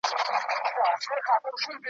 ښځي هم شیریني ورکړله محکمه `